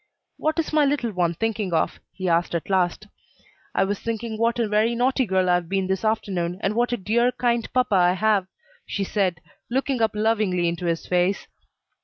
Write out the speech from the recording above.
"What is my little one thinking of?" he asked at last. "I was thinking what a very naughty girl I have been this afternoon, and what a dear, kind papa I have," she said, looking up lovingly into his face.